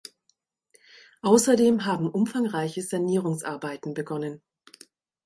Außerdem haben umfangreiche Sanierungsarbeiten begonnen.